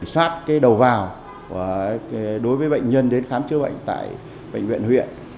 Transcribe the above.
xác cái đầu vào đối với bệnh nhân đến khám chữa bệnh tại bệnh viện huyện